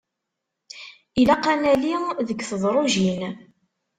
Ilaq ad nali deg tedrujin.